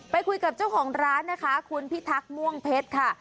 ไปคุยกับเจ้าของร้านนะคะคุณพิทักษ์ม่วงเพชรค่ะ